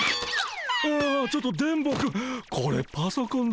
ああちょっと電ボくん